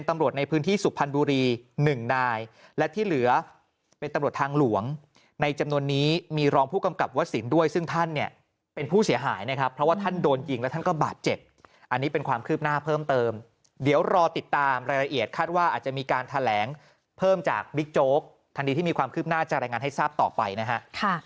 ท่านโดนยิงแล้วท่านก็บาดเจ็บอันนี้เป็นความคืบหน้าเพิ่มเติมเดี๋ยวรอติดตามรายละเอียดคาดว่าอาจจะมีการแถลงเพิ่มจากบิ๊กโจ๊กทันดีที่มีความคืบหน้าจะแรงงานให้ทราบต่อไปนะฮะค่ะ